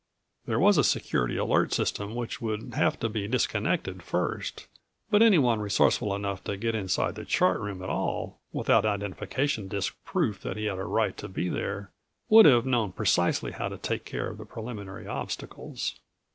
There was a security alert system which would have to be disconnected first, but anyone resourceful enough to get inside the chart room at all, without identification disk proof that he had a right to be there, would have known precisely how to take care of the preliminary obstacles.